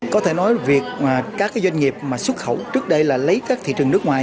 có thể nói việc các doanh nghiệp mà xuất khẩu trước đây là lấy các thị trường nước ngoài